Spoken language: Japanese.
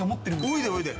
おいで、おいで。